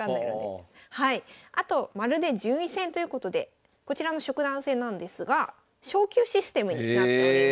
あと「まるで順位戦！」ということでこちらの職団戦なんですが昇級システムになっております。